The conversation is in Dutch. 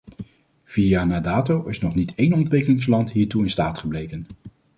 Vier jaar na dato is nog niet één ontwikkelingsland hiertoe in staat gebleken.